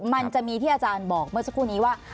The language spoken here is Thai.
มันจะมีที่อาจารย์บอกเมื่อสักครู่นี้ว่า